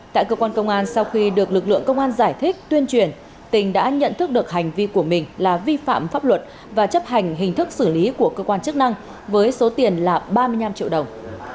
tại cơ quan công an sau khi được lực lượng công an giải thích tuyên truyền tình đã nhận thức được hành vi của mình là vi phạm pháp luật và chấp hành hình thức xử lý của cơ quan chức năng với số tiền là ba mươi năm triệu đồng